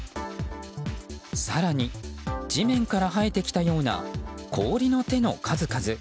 更に地面から生えてきたような氷の手の数々。